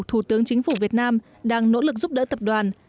thủ tướng chính phủ việt nam đang nỗ lực giúp đỡ tập đoàn